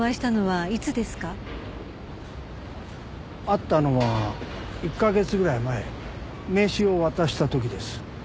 会ったのは１カ月ぐらい前名刺を渡した時です。